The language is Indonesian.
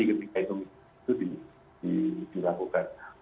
ketika itu dilakukan